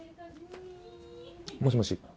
もしもし。